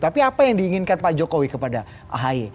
tapi apa yang diinginkan pak jokowi kepada ahy